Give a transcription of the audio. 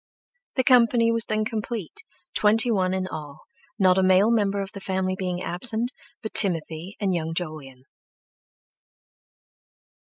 The company was then complete, twenty one in all, not a male member of the family being absent but Timothy and young Jolyon.